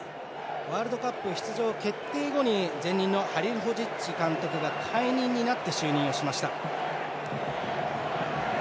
ワールドカップ出場決定後に前任のハリルホジッチ監督が解任になって、就任しました。